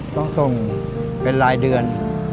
ต้องส่งเป็นรายเดือน